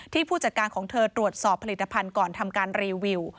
ผู้จัดการของเธอตรวจสอบผลิตภัณฑ์ก่อนทำการรีวิว